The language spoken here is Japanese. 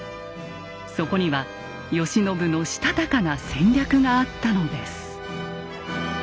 そこには慶喜のしたたかな戦略があったのです。